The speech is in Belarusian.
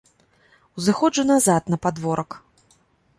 Узыходжу назад на падворак.